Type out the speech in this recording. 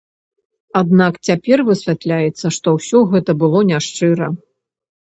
Аднак цяпер высвятляецца, што ўсё гэта было няшчыра.